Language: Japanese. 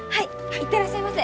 行ってらっしゃいませ！